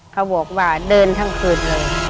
เขาบอกว่าเดินทั้งคืนเลย